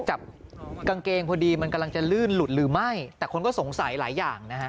จับกางเกงพอดีมันกำลังจะลื่นหลุดหรือไม่แต่คนก็สงสัยหลายอย่างนะฮะ